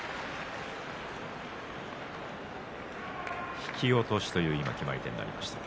引き落としという決まり手でした。